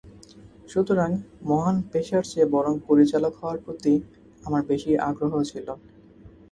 সুতরাং মহান পেশার চেয়ে বরং পরিচালক হওয়ার প্রতি আমার বেশি আগ্রহ ছিল।